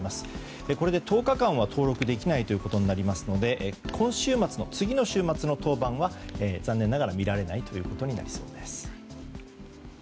これで１０日間は登録できなくなりますので次の週末の登板は残念ながら見られないことになりそうです。